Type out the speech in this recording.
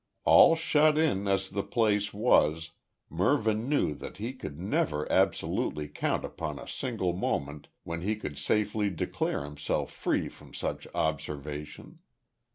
All shut in as the place was, Mervyn knew that he could never absolutely count upon a single moment when he could safely declare himself free from such observation.